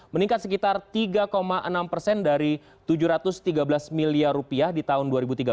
meningkat sekitar tiga enam persen dari tujuh ratus tiga belas miliar rupiah di tahun dua ribu tiga belas